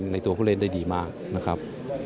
ตัวผู้เล่นได้ดีมากนะครับ